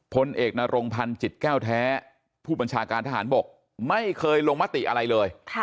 พลเอกนรงพันธ์จิตแก้วแท้ผู้บัญชาการทหารบกไม่เคยลงมติอะไรเลย